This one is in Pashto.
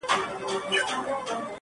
هغه مړ سو اوس يې ښخ كړلو!!